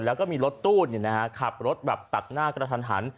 แล้วก็มีรถตู้นอยู่ขับรถตัดหน้ากระทัน